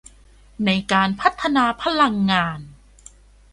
ในการพัฒนาพลังงาน